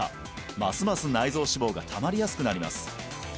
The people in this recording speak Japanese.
ますます内臓脂肪がたまりやすくなります